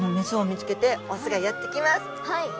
はい。